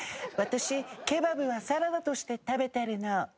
私ケバブはサラダとして食べてるの。